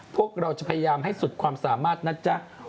พวกเราจะพยายามให้สุดความสามารถนะจ๊ะ